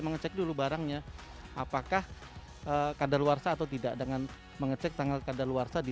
mengecek dulu barangnya apakah kadar luar atau tidak dengan mengecek tanggal kadar luar tadi